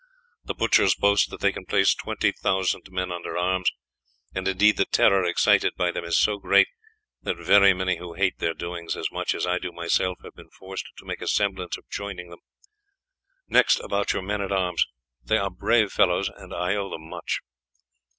"The butchers boast that they can place 20,000 men under arms, and indeed the terror excited by them is so great, that very many who hate their doings as much as I do myself have been forced to make a semblance of joining them. Next about your men at arms, they are brave fellows and I owe them much."